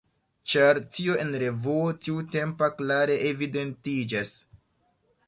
Ĉar tio en revuo tiutempa klare evidentiĝas.